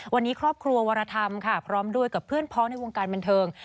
วันนี้ครอบครัววรธรรมค่ะพร้อมด้วยกับเพื่อนพ้องในวงการบันเทิง